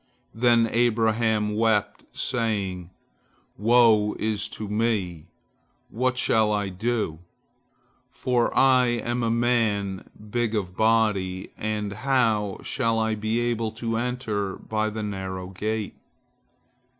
Then Abraham wept, saying, "Woe is me, what shall I do? for I am a man big of body, and how shall I be able to enter by the narrow gate?"